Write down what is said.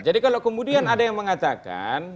jadi kalau kemudian ada yang mengatakan